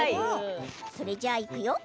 それじゃあ、いくよ！